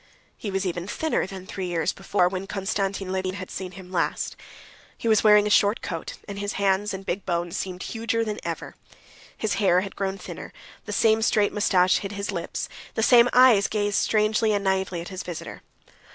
He was even thinner than three years before, when Konstantin Levin had seen him last. He was wearing a short coat, and his hands and big bones seemed huger than ever. His hair had grown thinner, the same straight mustaches hid his lips, the same eyes gazed strangely and naïvely at his visitor.